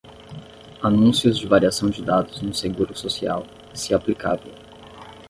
Anúncios de variação de dados no Seguro Social, se aplicável.